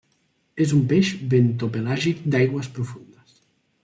És un peix bentopelàgic d'aigües profundes.